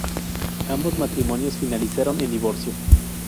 Ambos matrimonios finalizaron en divorcio.